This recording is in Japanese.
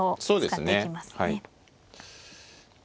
そうですねはい。